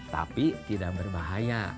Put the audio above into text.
tapi tidak berbahaya